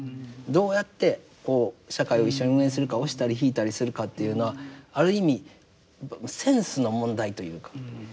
どうやって社会を一緒に運営するか押したり引いたりするかっていうのはある意味センスの問題というか。